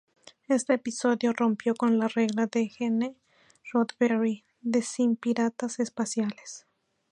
Este episodio rompió con la regla de Gene Roddenberry de "sin piratas espaciales".